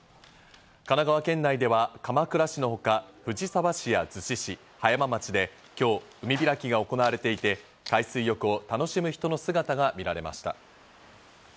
神奈川県内では鎌倉市のほか、藤沢市や逗子市、葉山町で今日、海開きが行われていて海水浴を楽しむ人の姿が見られました。